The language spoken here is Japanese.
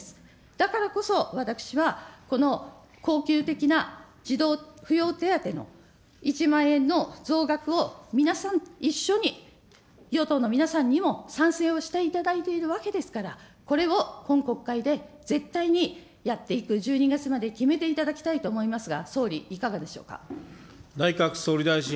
だからこそ、私はこの恒久的な児童扶養手当の１万円の増額を皆さん一緒に、与党の皆さんにも賛成をしていただいているわけですから、これを今国会で絶対にやっていく１２月まで決めていただきたいと思いますが、総理、いかがでしょうか。